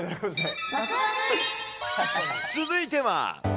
続いては。